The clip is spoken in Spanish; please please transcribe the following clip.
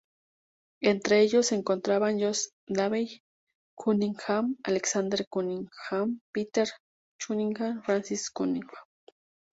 Entre ellos se encontraban Joseph Davey Cunningham, Alexander Cunningham, Peter Cunningham y Francis Cunningham.